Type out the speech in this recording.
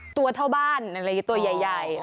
ตัวเท่าบ้านตัวใหญ่